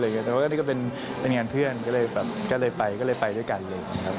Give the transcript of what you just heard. นี่ก้เป็นงานเพื่อนก็เลยไปด้วยกันเลยครับ